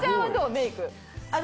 メイク。